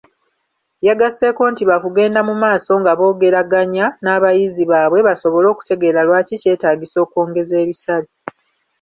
Yagaseeko nti baakugenda mu maaso nga boogeraganya n'abayizi baabwe basobole okutegeera lwaki kyetaagisa okwongeza ebisale.